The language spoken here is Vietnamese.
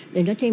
để nó thêm